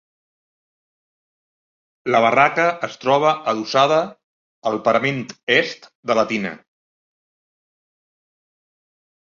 La barraca es troba adossada al parament est de la tina.